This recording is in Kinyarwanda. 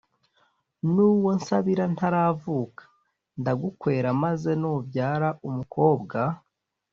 n' uwo nsabira ntaravuka. ndagukwera, maze nubyara umukobwa